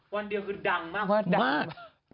วันเดียวคือดังมาก